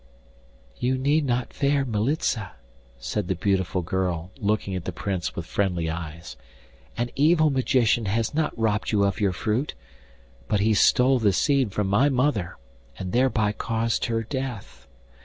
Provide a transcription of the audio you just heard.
'You need not fear Militza,' said the beautiful girl, looking at the Prince with friendly eyes. 'An evil magician has not robbed you of your fruit, but he stole the seed from my mother, and thereby caused her death.